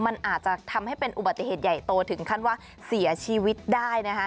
มันอาจจะทำให้เป็นอุบัติเหตุใหญ่โตถึงขั้นว่าเสียชีวิตได้นะคะ